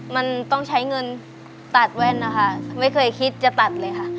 มันต้องใช้เงินตัดแว่นนะคะไม่เคยคิดจะตัดเลยค่ะ